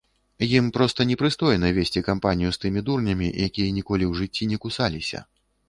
Ім проста непрыстойна весці кампанію з тымі дурнямі, якія ніколі ў жыцці не кусаліся.